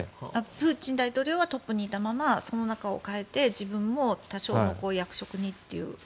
プーチン大統領はトップにいたままその中を替えて自分も多少の役職にという？